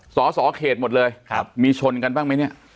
สอสอเขตหมดเลยมีชนกันบ้างไหมเนี่ย